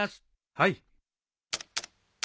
はい。